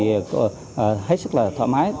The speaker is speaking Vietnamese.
hết sức là thoải mái